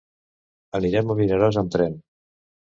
Anirem a Vinaròs amb tren.